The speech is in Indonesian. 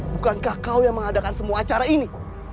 bukankah kau yang mengadakan semua acara ini